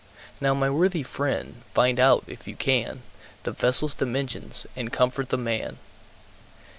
Now my worthy friend, find out, if you can, The vessel's dimensions and comfort the man!